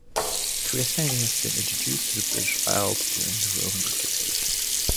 Christianity had been introduced into the British Isles during the Roman occupation.